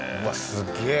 すげえ！